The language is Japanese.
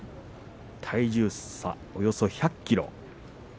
体重差はおよそ１００ｋｇです。